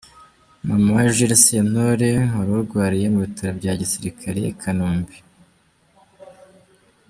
Mama wa Jules Sentore warurwariye mu Bitaro bya Gisirikare i Kanombe.